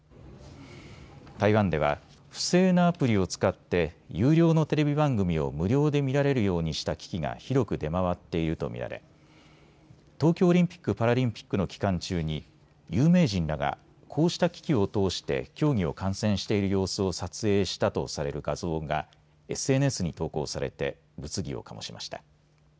台湾では不正なアプリを使って有料のテレビ番組を無料で見られるようにした機器が広く出回っていると見られ東京オリンピック・パラリンピックの期間中に有名人らがこうした機器を通して競技を観戦している様子を撮影したとされる画像がＳＮＳに投稿されて物議を醸しました。